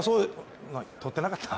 とってなかった？